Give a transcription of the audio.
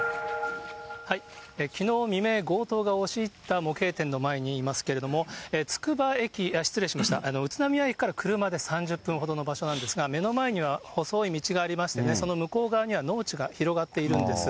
きのう未明、強盗が押し入った模型店の前にいますけれども、つくば、失礼しました、宇都宮駅から車で３０分ほどの場所なんですが、目の前には細い道がありまして、その向こう側には農地が広がっているんです。